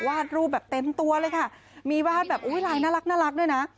วาดรูปแบบเต็มตัวเลยค่ะมีวาดแบบอุ้ยลายน่ารักด้วยนะ